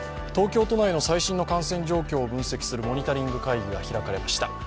東京都内の最新の感染状況を分析するモニタリング会議が開かれました。